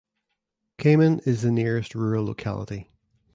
Kamen is the nearest rural locality.